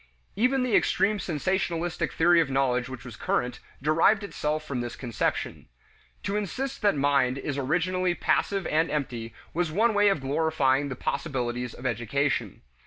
Even the extreme sensationalistic theory of knowledge which was current derived itself from this conception. To insist that mind is originally passive and empty was one way of glorifying the possibilities of education.